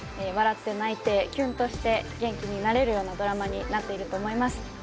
笑って泣いてキュンとして元気になれるようなドラマになっていると思います。